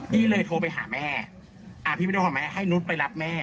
พี่เลยโทรไปหาแม่พี่ไม่ต้องถอนไหมให้นุษย์ไปรับแม่